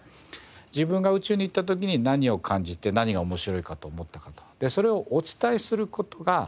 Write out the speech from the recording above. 自分が宇宙に行った時に何を感じて何が面白いかと思ったかとそれをお伝えする事が。